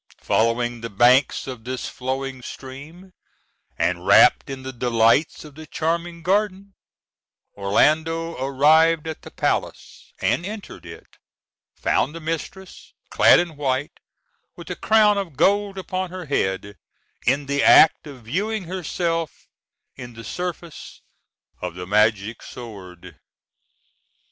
Following the banks of this flowing stream, and rapt in the delights of the charming garden, Orlando arrived at the palace, and entering it, found the mistress, clad in white, with a crown of gold upon her head, in the act of viewing herself in the surface of the magic sword.